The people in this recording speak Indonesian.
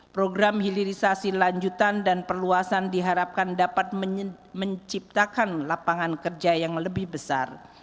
program hilirisasi lanjutan dan perluasan diharapkan dapat menciptakan lapangan kerja yang lebih besar